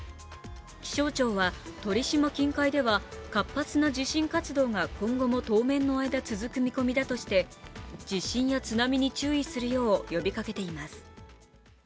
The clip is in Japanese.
気象庁は鳥島近海では活発な地震活動が今後も当面の間続く見込みだとして地震や津波に注意するよう呼びかけています。